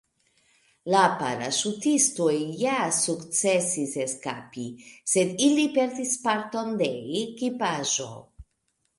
La paraŝutistoj ja sukcesis eskapi, sed ili perdis parton de ekipaĵo.